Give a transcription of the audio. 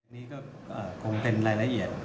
นี่ก็คงเป็นรายละเอียด